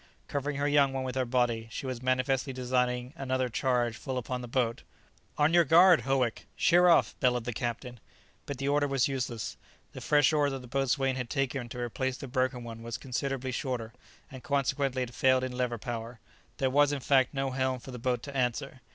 Covering her young one with her body, she was manifestly designing another charge full upon the boat. "On your guard, Howick! sheer off!" bellowed the captain. But the order was useless. The fresh oar that the boatswain had taken to replace the broken one was considerably shorter, and consequently it failed in lever power. There was, in fact, no helm for the boat to answer.